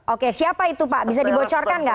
oke siapa itu pak bisa dibocorkan nggak